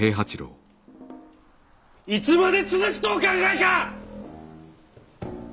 いつまで続くとお考えか！